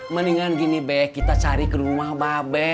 mendingan gini be kita cari ke rumah mbak be